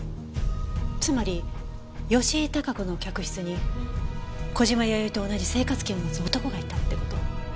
つまり吉井孝子の客室に小島弥生と同じ生活圏を持つ男がいたって事？